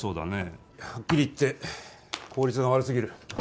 はっきり言って効率が悪すぎる。